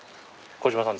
小島さん